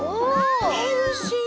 ヘルシー。